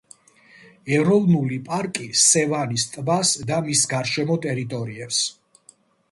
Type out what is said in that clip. ეროვნული პარკი სევანის ტბას და მის გარშემო ტერიტორიებს.